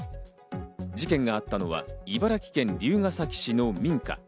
事件があったのは茨城県龍ケ崎市の民家。